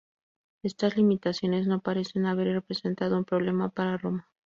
Estas limitaciones no parecen haber representado un problema para Roma.